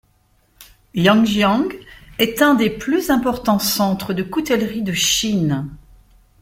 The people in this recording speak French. Yangjiang est un des plus importants centres de coutellerie de Chine.